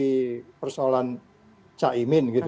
lagi persoalan cahimin gitu